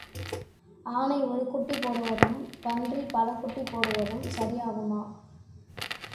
ஆனை ஒரு குட்டி போடுவதும் பன்றி பல குட்டி போடுவதும் சரி ஆகுமா?